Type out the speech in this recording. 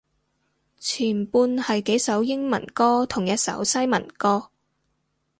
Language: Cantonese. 前半係幾首英文歌同一首西文歌